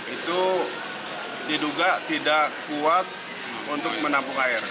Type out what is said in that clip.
itu diduga tidak kuat untuk menampung air